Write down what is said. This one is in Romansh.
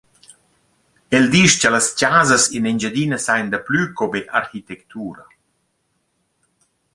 El disch cha las chasas in Engiadina sajan daplü co be architectura.